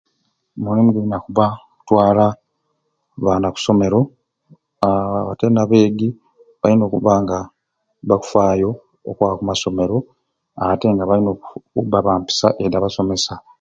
Omulimu gulina kubba okutwala baana kusomero aaa ate nabeegi balina kubba nga bakufayo okwaba oku masomero atenga balina okufu okubba bampisa edi aba somesa.